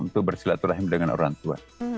untuk bersilaturahim dengan orang tua